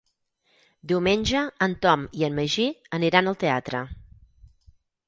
Diumenge en Tom i en Magí aniran al teatre.